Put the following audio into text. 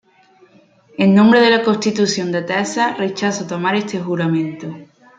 En nombre de la Constitución de Texas, rechazo tomar este juramento.